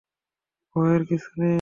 ভয়ের কিছু নেই!